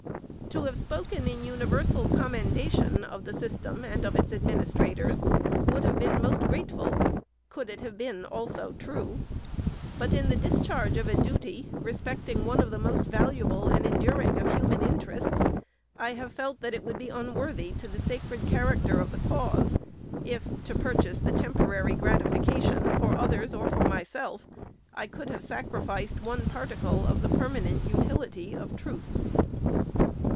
To have spoken in universal commendation of the system and of its admin istrators would have been most grateful, could it have been, also, true ; but, in the discharge of a duty, respect ing one of the most valuable and enduring of human interests, I have felt that it would be unworthy the sacred character of the cause, if, to purchase any temporary gratification for others or for myself, I could have sacri ficed one particle of the permanent utility of truth.